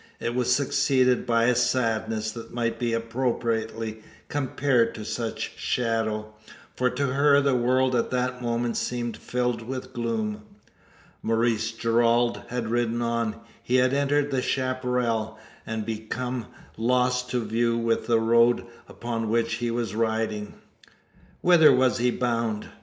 It was succeeded by a sadness that might be appropriately compared to such shadow: for to her the world at that moment seemed filled with gloom. Maurice Gerald had ridden on. He had entered the chapparal; and become lost to view with the road upon which he was riding. Whither was he bound?